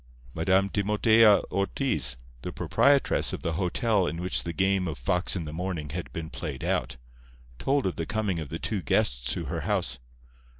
Madame Timotea Ortiz, the proprietress of the hotel in which the game of Fox in the Morning had been played out, told of the coming of the two guests to her house.